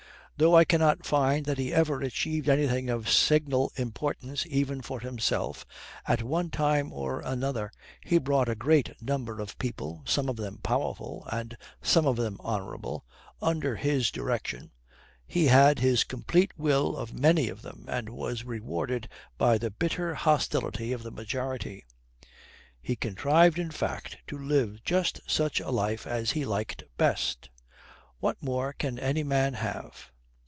Though I cannot find that he ever achieved anything of signal importance even for himself, at one time or another he brought a great number of people, some of them powerful, and some of them honourable, under his direction, he had his complete will of many of them, and was rewarded by the bitter hostility of the majority. He contrived, in fact, to live just such a life as he liked best. What more can any man have?